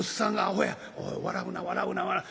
「おい笑うな笑うな笑うな」。